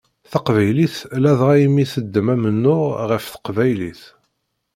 Taqbaylit ladɣa i mi teddem amennuɣ ɣef teqbaylit.